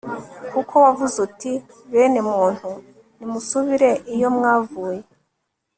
kuko wavuze uti bene muntu, nimusubire iyo mwavuye